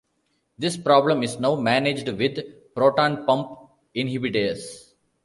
This problem is now managed with proton pump inhibitors.